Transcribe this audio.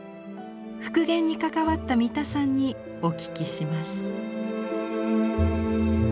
復元に関わった三田さんにお聞きします。